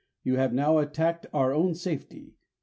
You have now attacked our own safety.